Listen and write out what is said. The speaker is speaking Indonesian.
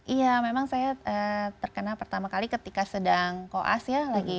iya memang saya terkena pertama kali ketika sedang koas ya